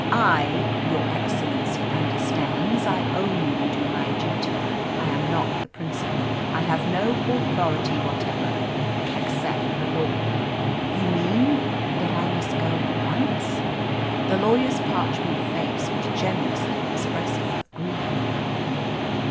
I your excellency understands I only do my duty. I am not the principal. I have no authority whatever except the law." "You mean that I must go at once?" The lawyer's parchment face was generously expressive of grief now.